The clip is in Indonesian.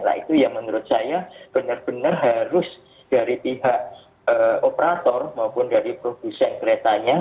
nah itu yang menurut saya benar benar harus dari pihak operator maupun dari produsen keretanya